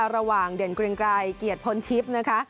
เด่นเกรียงไกรเกียรติพลทิพย์นะคะ